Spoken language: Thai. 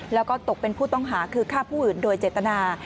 แล้วก็ตกเป็นผู้ต้องหาคือฆ่าผู้อื่นโดยเจตนา